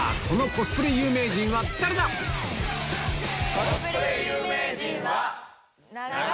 コスプレ有名人は。